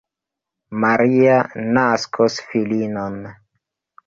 Maria naskos filinon.